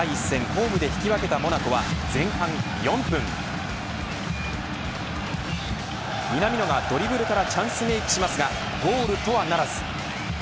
ホームで引き分けたモナコは前半４分南野がドリブルからチャンスメークをしますがゴールとはならず。